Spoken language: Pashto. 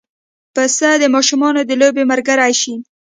پسه د ماشومانو د لوبې ملګری شي.